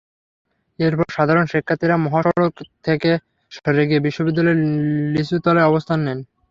এরপর সাধারণ শিক্ষার্থীরা মহাসড়ক থেকে সরে গিয়ে বিশ্ববিদ্যালয়ের লিচুতলায় অবস্থান নেন।